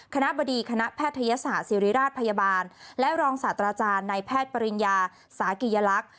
คณะบดีคณะแพทยศาสตร์ศิริราชพยาบาลและรองศาสตราจารย์ในแพทย์ปริญญาสากิยลักษณ์